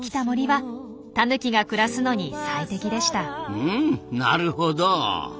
うんなるほど。